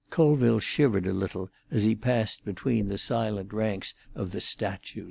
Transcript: Colville shivered a little as he passed between the silent ranks of the statues.